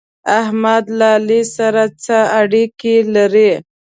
احمد له علي سره څه اړېکې لري؟